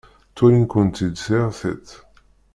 Ttwalin-ken-id s yir tiṭ.